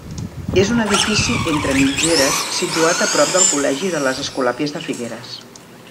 És un edifici entre mitgeres situat a prop del col·legi de les Escolàpies de Figueres.